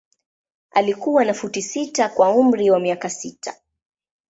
Alikuwa na futi sita kwa umri wa miaka sita.